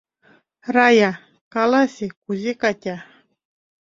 — Рая, каласе, кузе Катя?